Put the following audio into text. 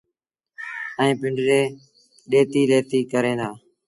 ائيٚݩ پنڊريٚ ڏيتي ليٿيٚ ڪريݩ دآ۔